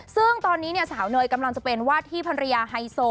ซึ่งตอนนี้เนี่ยสาวเนยกำลังจะเป็นวาดที่ภรรยาไฮโซ